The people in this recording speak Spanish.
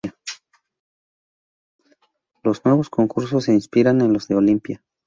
Los nuevos concursos se inspiraban en los de Olimpia.